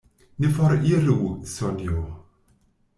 Ne foriru, Sonjo!